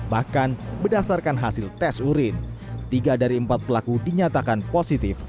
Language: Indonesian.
bahkan berdasarkan hasil tes urin tiga dari empat pelaku dinyatakan positif